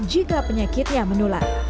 jika penyakitnya menular